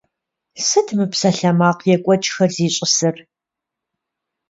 Сыт мы псалъэмакъ екӀуэкӀхэр зищӀысыр?